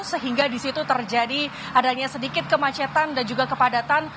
sehingga di situ terjadi adanya sedikit kemacetan dan juga kepadatan